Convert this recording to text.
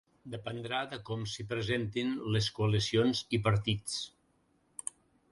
Dependrà de com s’hi presentin les coalicions i partits.